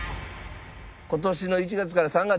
今年の１月から３月。